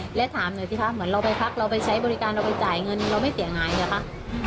เหมือนเราไปพักเราไปใช้บริการเราไปจ่ายเงินเราไม่เสียงหายนะคะ